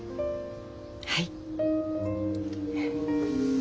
はい。